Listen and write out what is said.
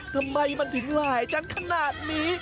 ทำไมมันถึงหลายจังขนาดนี้